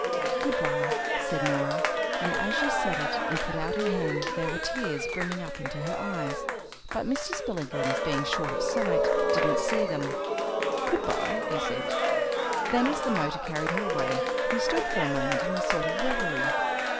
"Goodbye," said Norah, and as she said it and put out her hand there were tears brimming up into her eyes. But Mr. Spillikins, being short of sight, didn't see them. "Goodbye," he said. Then as the motor carried her away he stood for a moment in a sort of reverie.